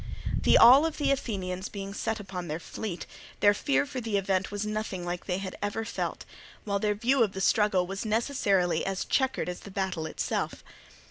The all of the Athenians being set upon their fleet, their fear for the event was like nothing they had ever felt; while their view of the struggle was necessarily as chequered as the battle itself.